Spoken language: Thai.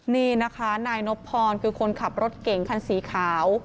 นี่นะคะนายนบพรคือคนขับรถเก่งคันสีขาว